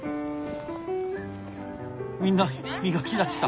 みんな磨きだした。